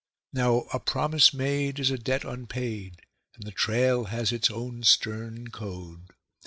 Now a promise made is a debt unpaid, and the trail has its own stern code.